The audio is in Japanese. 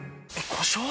故障？